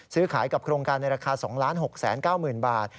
ซื้อขายกับโครงการในราคา๒๖๙๐๐๐บาท